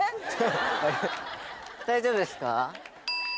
大丈夫ですか？